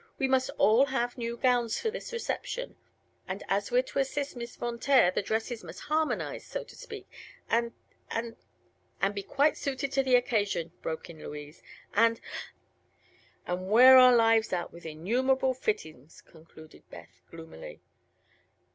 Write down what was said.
"We must all have new gowns for this reception, and as we're to assist Miss Von Taer the dresses must harmonize, so to speak, and and " "And be quite suited to the occasion," broke in Louise; "and " "And wear our lives out with innumerable fittings," concluded Beth, gloomily.